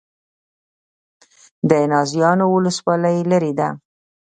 د نازیانو ولسوالۍ لیرې ده